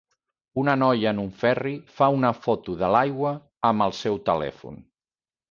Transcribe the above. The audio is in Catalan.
Una noia en un ferri fa una foto de l'aigua amb el seu telèfon.